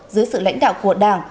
dưới sự lãnh đạo của đảng